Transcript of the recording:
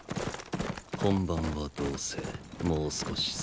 本番はどうせもう少し先だ。